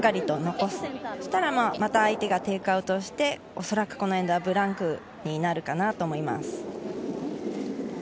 そうすると相手がテイクアウトしておそらくこのエンドはブランクになるかなと思います。